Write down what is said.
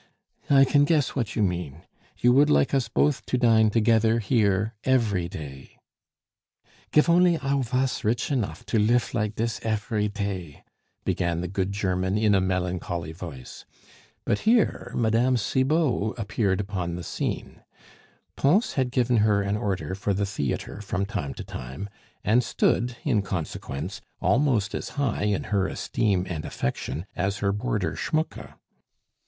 "I can guess what you mean; you would like us both to dine together here, every day " "Gif only I vas rich enof to lif like dis efery tay " began the good German in a melancholy voice. But here Mme. Cibot appeared upon the scene. Pons had given her an order for the theatre from time to time, and stood in consequence almost as high in her esteem and affection as her boarder Schmucke.